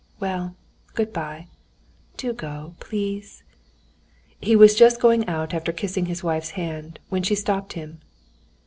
"Well, good bye.... Do go, please." He was just going out after kissing his wife's hand, when she stopped him.